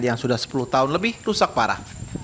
yang sudah sepuluh tahun lebih rusak parah